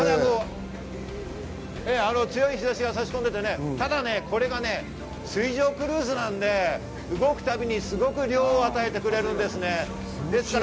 強い日差しが差し込んでて、ただこれが水上クルーズなんで動くたびにいい涼を与えてくれるんですね。